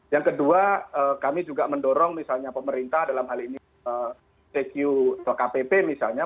yang kedua kami juga mendorong misalnya pemerintah dalam hal ini cq atau kpp misalnya